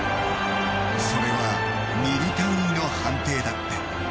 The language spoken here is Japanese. それはミリ単位の判定だった。